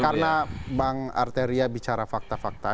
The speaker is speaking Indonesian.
karena bang arteria bicara fakta fakta